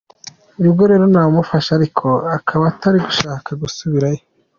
Nibwo rero namufashe ariko akaba atari gushaka gusubirayo”.